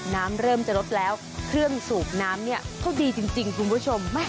น้ำเริ่มจะลดแล้วเครื่องสูบน้ำเนี่ยเขาดีจริงคุณผู้ชม